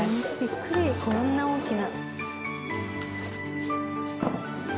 こんな大きな。